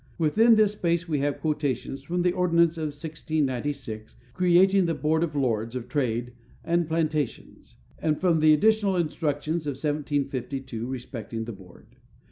Within this space we have quotations from the ordinance of 1696 creating the Board of Lords of Trade and Plantations, and from the additional instructions of 1752 respecting the board.